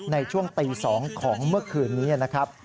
ในช่วงตี๒ของเมื่อคืนนี้นะครับ